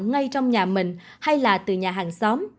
ngay trong nhà mình hay là từ nhà hàng xóm